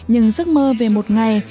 nhưng giấc mơ về một ngày